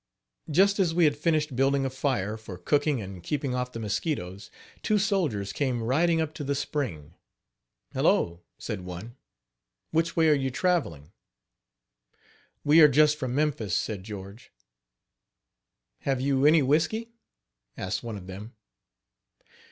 Just as we had finished building a fire, for cooking and keeping off the mosquitoes, two soldiers came riding up to the spring. "Hello," said one, "which way are you traveling?" "We are just from Memphis," said George. "Have you any whisky?" asked one of them.